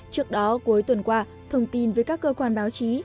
trước đó cuối tuần qua thông tin với các cơ quan báo chí